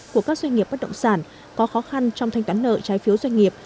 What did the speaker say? của các doanh nghiệp bất động sản có khó khăn trong thanh toán nợ trái phiếu doanh nghiệp